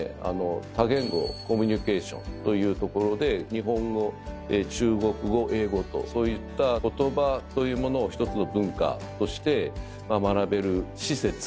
多言語コミュニケーションという所で日本語中国語英語とそういった言葉というものを一つの文化として学べる施設なんですけれども。